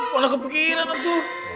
mana kepikiran arjo